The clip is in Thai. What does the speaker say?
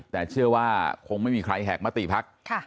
แต่เชื่อว่าคงไม่มีใครแหกมติภักดิ์